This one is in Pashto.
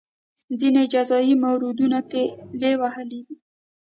ځینې جزئي موردونو تېروتلي وو.